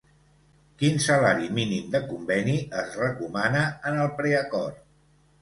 Quin salari mínim de conveni es recomana en el preacord?